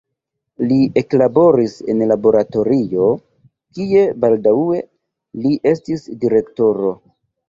Li eklaboris en laboratorio, kie baldaŭe li estis direktoro.